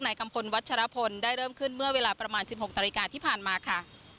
กัมพลวัชรพลได้เริ่มขึ้นเมื่อเวลาประมาณ๑๖นาฬิกาที่ผ่านมาค่ะ